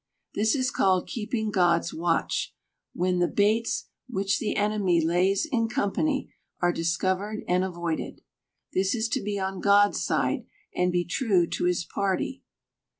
This is called keeping God's watch, when the baits which the enemy lays in company are discovered and avoided. This is to be on God's side, and be true to his party.